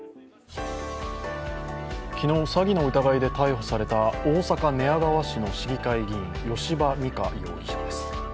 昨日、詐欺の疑いで逮捕された大阪寝屋川市の市議会議員・吉羽美華容疑者です。